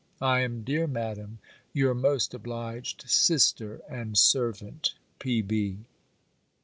I am, dear Madam, your most obliged sister and servant, P.B.